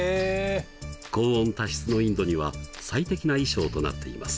高温多湿のインドには最適な衣装となっています。